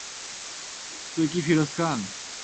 তুমি কী ফিরোজ খান?